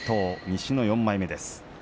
西の４枚目です。